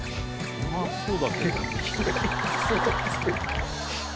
うまそうだけど。